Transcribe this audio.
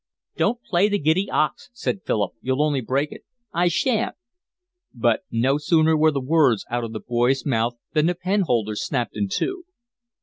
"Don't play the giddy ox," said Philip. "You'll only break it." "I shan't." But no sooner were the words out of the boy's mouth than the pen holder snapped in two.